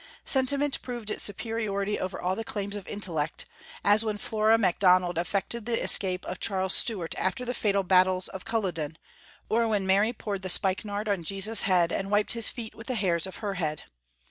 Sentiment proved its superiority over all the claims of intellect, as when Flora Macdonald effected the escape of Charles Stuart after the fatal battle of Culloden, or when Mary poured the spikenard on Jesus' head, and wiped his feet with the hairs of her head.